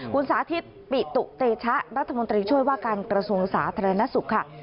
คุณสาธิตปิตุเตชะรัฐมนตรีช่วยว่าการกระทรวงสาธารณสุขค่ะ